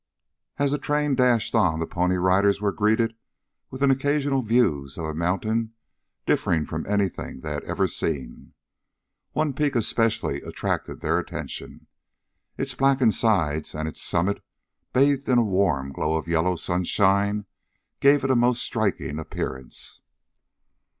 As the train dashed on the Pony Riders were greeted with occasional views of a mountain differing from anything they ever had seen. One peak especially attracted their attention. Its blackened sides, and its summit bathed in a warm glow of yellow sunshine, gave it a most striking appearance.